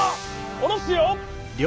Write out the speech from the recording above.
おろすよ。